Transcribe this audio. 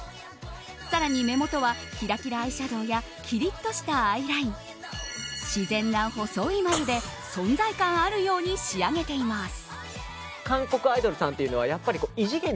更に目元はキラキラアイシャドーやきりっとしたアイライン自然な細い眉で存在感あるように仕上げています。